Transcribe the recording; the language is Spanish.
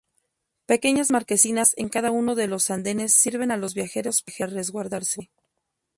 Pequeñas marquesinas, en cada uno de los andenes sirven a los viajeros para resguardarse.